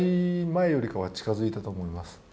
前よりかは近づいたと思います。